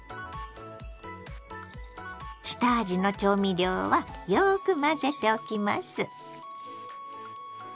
下味の調味料はよく混ぜておきます。